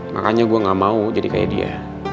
makanya gue gak mau jadi kayak dia